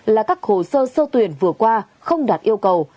là các hồ sơ sơ tuyển vừa qua không đạt yêu cầu